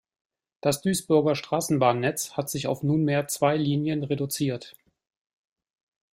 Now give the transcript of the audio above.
Das Duisburger Straßenbahnnetz hat sich auf nunmehr zwei Linien reduziert.